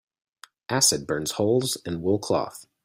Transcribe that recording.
Acid burns holes in wool cloth.